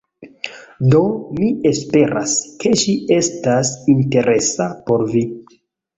Do, mi esperas, ke ĝi estas interesa por vi